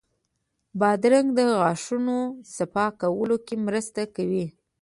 بادرنګ د غاښونو صفا کولو کې مرسته کوي.